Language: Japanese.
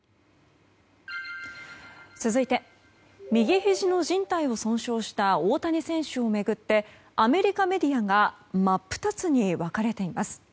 続いて右ひじのじん帯を損傷した大谷選手を巡ってアメリカメディアが真っ二つに分かれています。